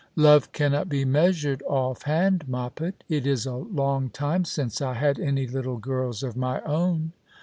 " Love cannot be measured off hand. Moppet. It is a long time since I had any little girls of my own."